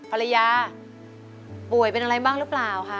ภรรยาป่วยเป็นอะไรบ้างหรือเปล่าคะ